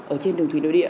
ở trên đường thủy nội địa